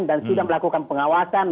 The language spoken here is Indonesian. dan sudah melakukan pengawasan